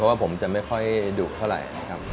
เพราะว่าผมจะไม่ค่อยดุเท่าไหร่